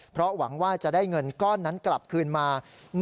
เพราะหวังว่าจะได้เงินก้อนนั้นกลับคืนมา